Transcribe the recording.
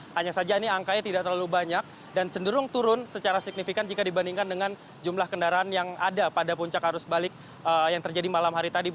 hanya saja ini angkanya tidak terlalu banyak dan cenderung turun secara signifikan jika dibandingkan dengan jumlah kendaraan yang ada pada puncak arus balik yang terjadi malam hari tadi